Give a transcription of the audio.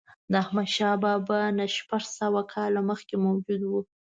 د احمدشاه بابا نه شپږ سوه کاله مخکې موجود و.